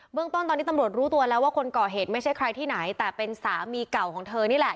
เรื่องต้นตอนนี้ตำรวจรู้ตัวแล้วว่าคนก่อเหตุไม่ใช่ใครที่ไหนแต่เป็นสามีเก่าของเธอนี่แหละ